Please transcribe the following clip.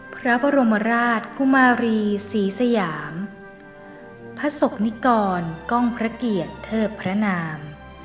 พระบรมราชกุมารีศรีสยามพระศกนิกรกล้องพระเกียรติเทิดพระนาม